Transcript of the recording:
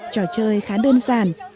trò chơi khá đơn giản